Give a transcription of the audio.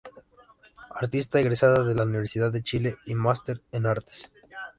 Artista egresada de la Universidad de Chile y máster en Artes.